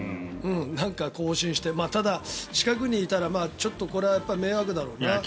なんか行進してただ、近くにいたらちょっとこれは迷惑だろうな。